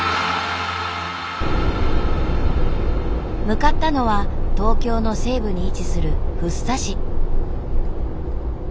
向かったのは東京の西部に位置する福生市。